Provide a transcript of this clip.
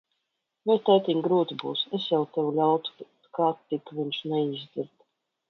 Vai, tētiņ, grūti būs. Es jau tev ļautu, bet ka tik viņš neizdzird.